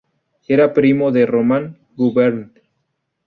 Era primo de Roman Gubern.